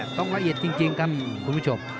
ต้องละเอียดจริงกับคุณผู้ชม